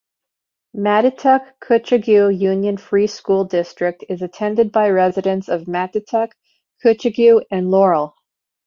Mattituck-Cutchogue Union Free School District is attended by residents of Mattituck, Cutchogue and Laurel.